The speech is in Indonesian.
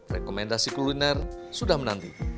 rekomendasi kuliner sudah menanti